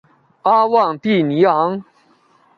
阿旺蒂尼昂。